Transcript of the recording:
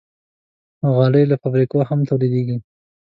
غالۍ له فابریکو هم تولیدېږي.